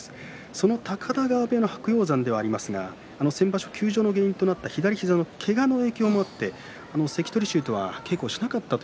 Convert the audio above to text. その高田川部屋白鷹山ではありますが先場所休場の原因となった左膝のけがもあって関取衆とは稽古しなかったと。